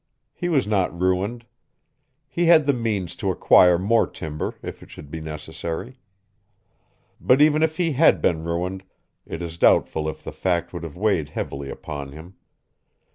He was not ruined. He had the means to acquire more timber if it should be necessary. But even if he had been ruined, it is doubtful if that fact would have weighed heavily upon him.